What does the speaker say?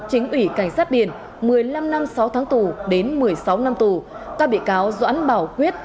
chính ủy cảnh sát biển một mươi năm năm sáu tháng tù đến một mươi sáu năm tù các bị cáo doãn bảo quyết